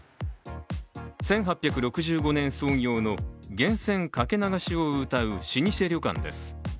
１８６５年創業の源泉掛け流しをうたう老舗旅館です。